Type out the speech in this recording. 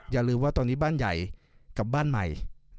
อย่าลืมว่าตอนนี้บ้านใหญ่กับบ้านใหม่